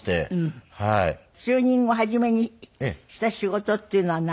就任後初めにした仕事っていうのは何？